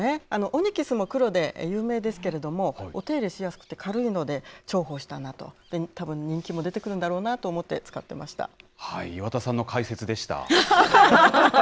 オニキスも黒で有名ですけれども、お手入れしやすくて軽いので、重宝したなと、たぶん人気も出てくるんだろうなと思って使っていま岩田さんの解説でした。